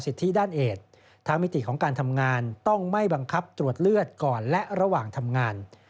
สิทธิด้านเอกราวว่าทางมิติของการทำงาน